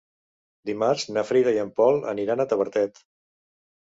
Dimarts na Frida i en Pol aniran a Tavertet.